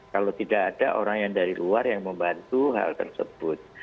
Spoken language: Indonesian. kalau tidak ada orang yang dari luar yang membantu hal tersebut